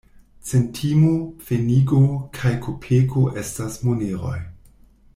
Centimo, pfenigo kaj kopeko estas moneroj.